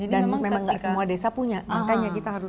dan memang gak semua desa punya makanya kita harus